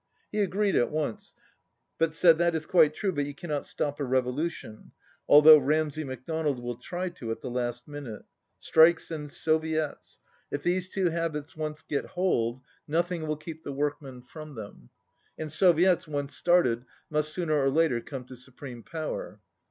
He agreed at once, but said, "That is quite true, but you cannot stop a revolution ... although Ramsay MacDonald will try to at the last minute. Strikes and Soviets, 118 If these two habits once get hold, nothing will keep the workmen from them. And Soviets, once started, must sooner or later come to supreme power."